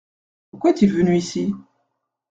Pourquoi est-il venu ici ?